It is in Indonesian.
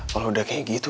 kalau udah kayak gitu